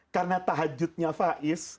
karena tahajudnya faiz